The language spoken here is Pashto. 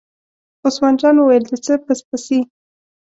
عثمان جان وویل: د څه پس پسي.